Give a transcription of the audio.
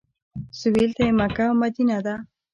سویل ته یې مکه او مدینه ده.